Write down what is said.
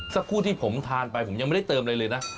สักครู่ที่ผมทานไปผมยังไม่ได้เติมอะไรเลยนะ